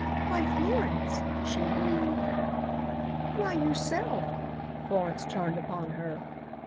"Why, Florence!" she breathed. "Why, yourself!" Florence turned upon her.